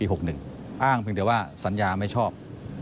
อ้างเพียงแต่ว่าสัญญาไม่ชอบ